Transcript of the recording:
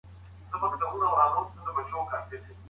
که وخت وي، تجربې کوم.